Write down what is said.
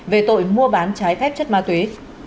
về tội mua bán trái phép chất ma túy